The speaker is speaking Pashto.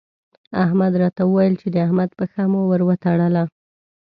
احمد راته وويل چې د احمد پښه مو ور وتړله.